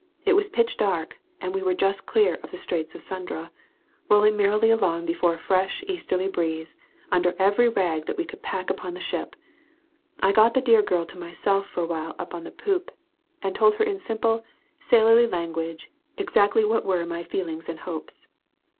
it was pitch dark, and we were just clear of the Straits of Sunda, rolling merrily along before a fresh easterly breeze under every rag that we could pack upon the ship I got the dear girl to myself for a while upon the poop, and told her in simple, sailorly language exactly what were my feelings and hopes.